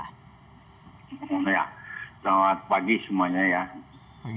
selamat pagi semuanya ya